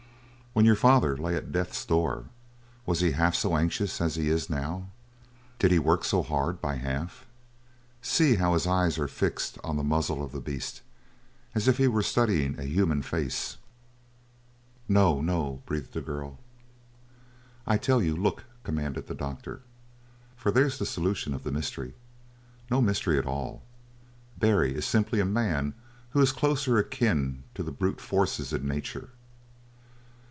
"When your father lay at death's door was he half so anxious as he is now? Did he work so hard, by half? See how his eyes are fixed on the muzzle of the beast as if he were studying a human face!" "No, no!" breathed the girl. "I fell you, look!" commanded the doctor. "For there's the solution of the mystery. No mystery at all. Barry is simply a man who is closer akin to the brute forces in nature.